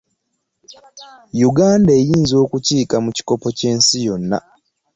Yuganda eyinza okukiika mu kikopo ky'ensi yonna.